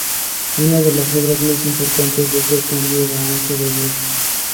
Una de las obras más importantes es el cambio de ancho de vía.